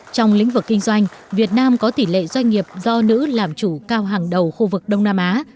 trong lĩnh vực kinh doanh việt nam có tỷ lệ doanh nghiệp do nữ làm chủ cao hàng đầu khu vực đông nam á